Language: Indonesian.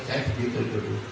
saya begitu dulu